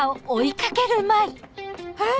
あれ？